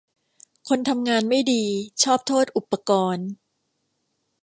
คนทำงานไม่ดีชอบโทษอุปกรณ์